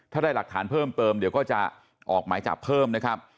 ถ้าได้หลักฐานเพิ่มเติมเดี๋ยวก็จะออกหมายจับเพิ่มนะครับ